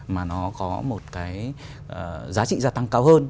một cái giá trị gia tăng cao hơn